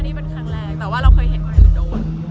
อันนี้เป็นครั้งแรกแต่เราเห็นคนอื่นโดน